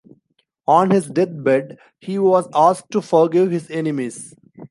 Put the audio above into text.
On his deathbed, he was asked to forgive his enemies.